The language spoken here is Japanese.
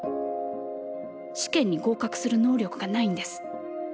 試験に合格する能力がないんです。